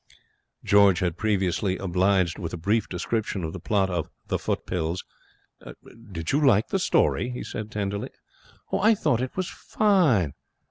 George had previously obliged with a brief description of the plot of The Footpills. 'Did you like the story?' he said, tenderly. 'I thought it was fine.'